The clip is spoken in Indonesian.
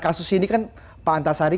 kasus ini kan pak antasari